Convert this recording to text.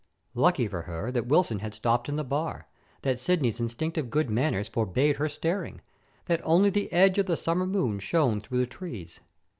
Lucky for her that Wilson had stopped in the bar, that Sidney's instinctive good manners forbade her staring, that only the edge of the summer moon shone through the trees.